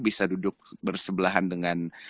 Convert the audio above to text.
bisa duduk bersebelahan dengan